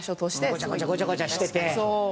ごちゃごちゃごちゃごちゃしてて。